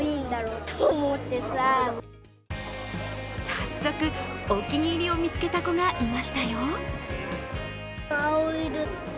早速、お気に入りを見つけた子がいましたよ。